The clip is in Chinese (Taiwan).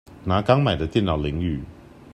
拿剛買的電腦淋雨